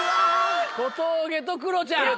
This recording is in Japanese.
小峠とクロちゃん。